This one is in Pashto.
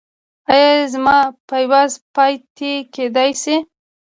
ایا زما پایواز پاتې کیدی شي؟